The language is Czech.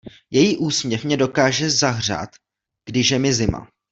Její úsměv mě dokáže zahřát, když je mi zima.